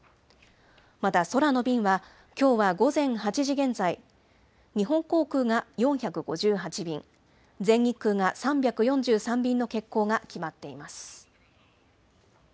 また、空の便はきょうは午前８時現在、日本航空が４５８便、全日空が３４３便の欠航が決まっています。